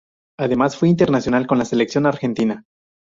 Además fue internacional con la Selección Argentina.